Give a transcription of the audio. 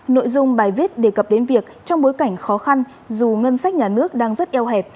nội dung bài viết đề cập đến việc trong bối cảnh khó khăn dù ngân sách nhà nước đang rất eo hẹp